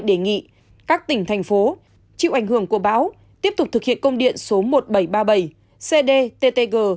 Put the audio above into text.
đề nghị các tỉnh thành phố chịu ảnh hưởng của bão tiếp tục thực hiện công điện số một nghìn bảy trăm ba mươi bảy cdttg